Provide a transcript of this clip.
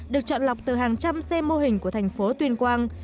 được chọn lọc từ hàng trăm xe mô hình của thành phố tuyên quang